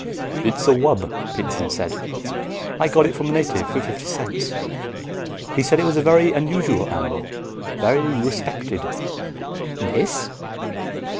"It's a wub," Peterson said. "I got it from a native for fifty cents. He said it was a very unusual animal. Very respected." "This?"